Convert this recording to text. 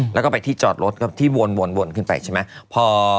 แล้วก็ไปที่จอดรถก็ที่วนขึ้นไปใช่ไหม